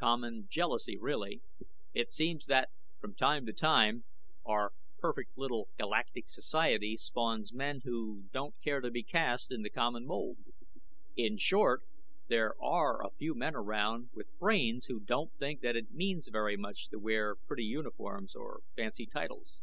Common jealousy, really. It seems that from time to time, our perfect little galactic society spawns men who don't care to be cast in the common mold. In short, there are a few men around with brains who don't think that it means very much to wear pretty uniforms or fancy titles."